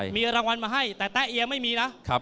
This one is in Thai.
มีรางวัลมาให้แต่แต๊เอียไม่มีนะ